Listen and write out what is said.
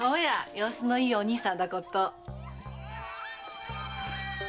様子のいいお兄さんだこと。